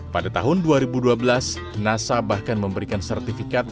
pada tahun dua ribu dua belas nasa bahkan memberikan sertifikat